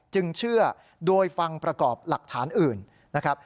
เชื่อโดยฟังประกอบหลักฐานอื่นนะครับ